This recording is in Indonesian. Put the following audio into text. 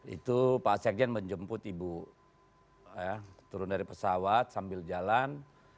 itu pak sekjen menjemput ibu turun dari pesawat sambil jalan